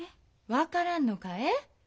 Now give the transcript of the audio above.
分からんのかえ？